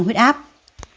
người mắc bệnh gút